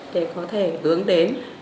để có thể hướng đến